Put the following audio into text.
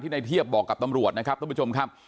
ในเทียบบอกกับตำรวจนะครับท่านผู้ชมครับ